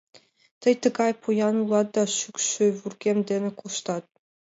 — Тый тыгай поян улат да шӱкшӧ вургем дене коштат.